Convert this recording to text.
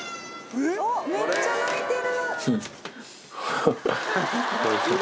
えぇめっちゃ鳴いてる。